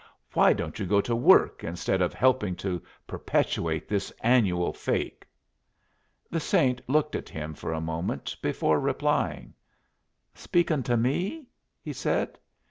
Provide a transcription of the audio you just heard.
"Why don't you go to work instead of helping to perpetuate this annual fake?" The Saint looked at him for a moment before replying. "Speakin' to me?" he said.